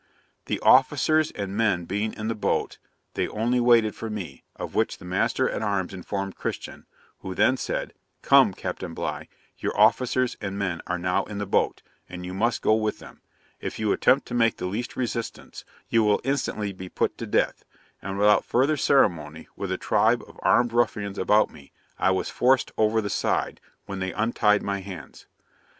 'The officers and men being in the boat, they only waited for me, of which the master at arms informed Christian; who then said "Come, Captain Bligh, your officers and men are now in the boat, and you must go with them; if you attempt to make the least resistance, you will instantly be put to death"; and without further ceremony, with a tribe of armed ruffians about me, I was forced over the side, when they untied my hands.